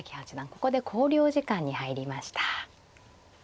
ここで考慮時間に入りました。